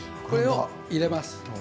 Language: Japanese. これを入れます。